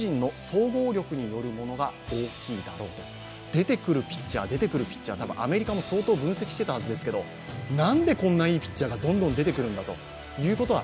出てくるピッチャー、出てくるピッチャー、アメリカも相当分析してたはずですけどなんでこんなにいいピッチャーが出てくるんだということは